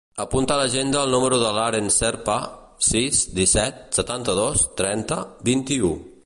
Apunta a l'agenda el número de l'Aren Cerpa: sis, disset, setanta-dos, trenta, vint-i-u.